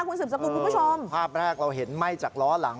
คุณสืบสกุลคุณผู้ชมภาพแรกเราเห็นไหม้จากล้อหลัง